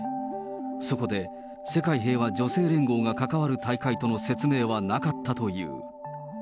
そこで世界平和女性連合が関わる大会との説明はなかったという。